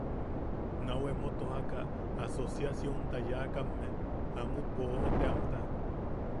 Nau emo tojaka asociacionta yaakamme Jamut Boʼo teamta...